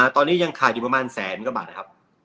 ตอนนี้ยังขาดอยู่ประมาณแสนกว่าบาทนะครับ